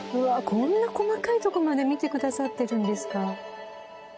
こんな細かいとこまで見てくださってるんですか。